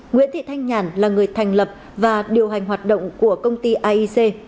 nguyễn thị thanh nhàn là người thành lập và điều hành hoạt động của công ty aic